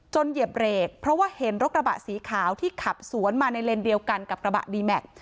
เหยียบเบรกเพราะว่าเห็นรถกระบะสีขาวที่ขับสวนมาในเลนเดียวกันกับกระบะดีแม็กซ